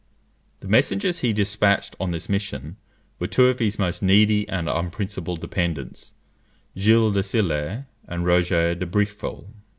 The messengers he despatched on this mission were two of his most needy and unprincipled dependants, Gilles de Sillé and Roger de Bricqueville.